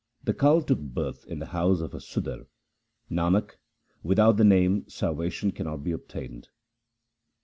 The kal took birth in the house of a Sudar. 1 Nanak, without the Name salvation cannot be obtained.